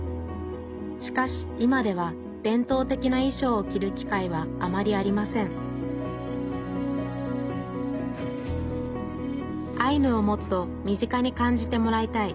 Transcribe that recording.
しかし今では伝統的ないしょうを着る機会はあまりありませんアイヌをもっと身近に感じてもらいたい。